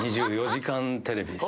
２４時間テレビの。